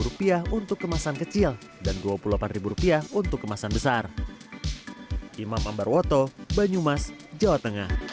rp dua puluh delapan untuk kemasan kecil dan rp dua puluh delapan untuk kemasan besar